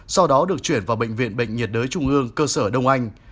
sau đó được chuyển vào bệnh viện bệnh nhiệt đới trung ương cơ sở đông anh